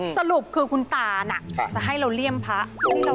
สรุปคือคุณตาน่ะจะให้เราเลี่ยมพระ